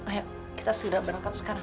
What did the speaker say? ayo kita sudah berangkat sekarang